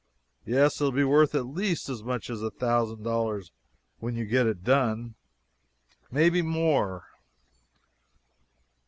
"Yes, it will be worth at least as much as a thousand dollars when you get it done. May be more."